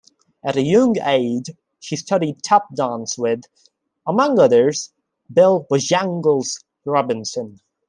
At a young age, she studied tap dance with, among others, Bill "Bojangles" Robinson.